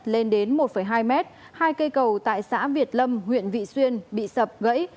lên đến một hai mét hai cây cầu tại xã việt lâm huyện vị xuyên bị sập gãy